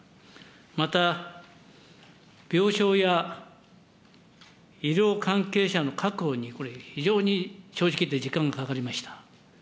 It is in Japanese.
また、病床や医療関係者の確保にこれ、非常に正直言って時間がかかりました。